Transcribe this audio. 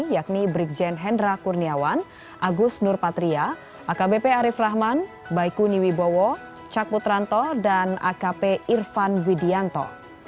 yakni brigjen hendra kurniawan agus nurpatria akbp arief rahman baiku niwi bowo cak putranto dan akp irvan widianto